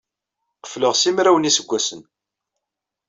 Qefleɣ simraw n yiseggasen.